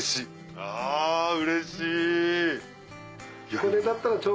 あうれしい！